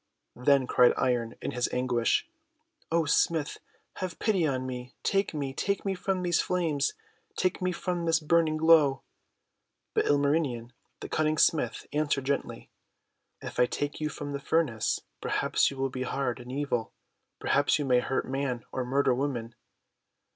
Then cried Iron in his anguish :— ;<O Smith, have pity on me! Take me, take me from these flames ! Take me from this burn ing glow!' But Ilmarmen the Cunning Smith answered gently :— "If I take you from the furnace, perhaps you will be hard and evil; perhaps you may hurt man or murder woman."